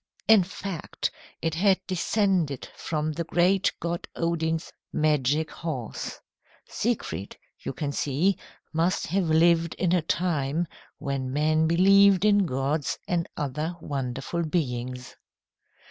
In fact it had descended from the great god Odin's magic horse. Siegfried, you can see, must have lived in a time when men believed in gods and other wonderful beings.